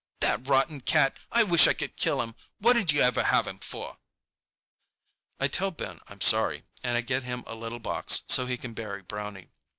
"That rotten cat! I wish I could kill him! What'd you ever have him for?" I tell Ben I'm sorry, and I get him a little box so he can bury Brownie.